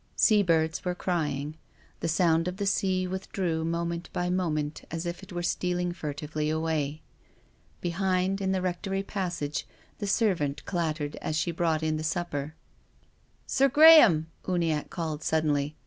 Sea birds were crying. The sound of the sea withdrew moment by mo THE GRAVE. 63 ment, as if it were stealing furtively away. Be hind, in the rectory passage, the servant clattered as she brought in the supper. " Sir Graham !" Uniacke called suddenly.